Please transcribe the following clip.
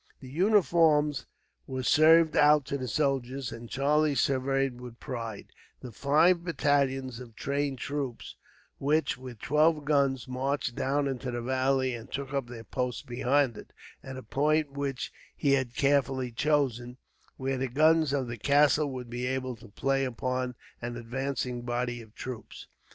The uniforms were served out to the soldiers, and Charlie surveyed, with pride, the five battalions of trained troops which, with twelve guns, marched down into the valley and took up their post beyond it, at a point which he had carefully chosen, where the guns of the castle would be able to play upon an advancing body of troops.